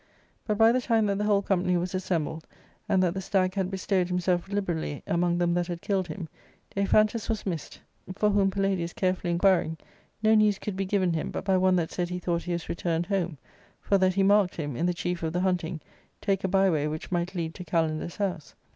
But, by the time that the whole company was assembled, and that the stag had bestowed himself liberally among J them that had killed him, Daiphantus was missed, for whom Palladius carefully inquiring, no news could be given him but by one that said he thought he was returned home ; for that he marked him, in the chief of the hunting, take a by way which might lead to Kalander's house.